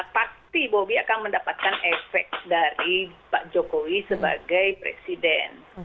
pasti bobi akan mendapatkan efek dari pak jokowi sebagai presiden